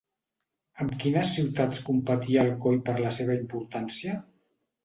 Amb quines ciutats competia Alcoi per la seva importància?